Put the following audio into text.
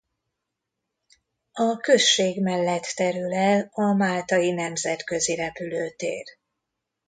A község mellett terül el a Máltai nemzetközi repülőtér.